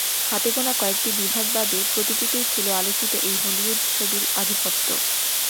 হাতে গোনা কয়েকটি বিভাগ বাদে প্রতিটিতেই ছিল আলোচিত এই হলিউড ছবির আধিপত্য।